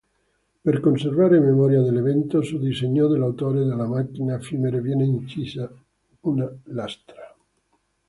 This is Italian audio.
Per conservare memoria dell'evento, su disegno dell'autore della macchina effimera viene incisa una lastra.